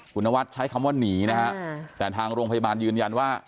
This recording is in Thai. คุณนวัดใช้คำว่าหนีนะฮะแต่ทางโรงพยาบาลยืนยันว่า